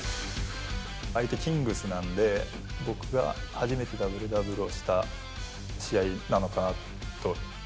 相手、キングスなんで、僕が初めてダブルダブルをした試合なのかなと。